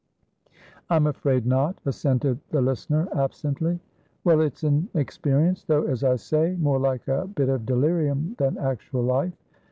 "I'm afraid not," assented the listener, absently. "Well, it's an experience; though, as I say, more like a bit of delirium than actual life.